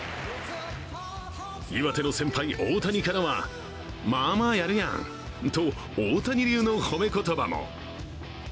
岩手の先輩・大谷からは「まあまあやるやん」と大谷流の褒め言葉も。